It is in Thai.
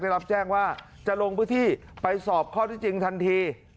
ได้รับแจ้งว่าจะลงพื้นที่ไปสอบข้อที่จริงทันที